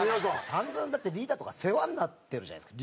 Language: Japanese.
散々だってリーダーとか世話になってるじゃないですか。